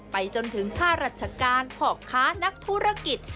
ไปจนถึงค่าราชการพ่อค้านักธุรกิจ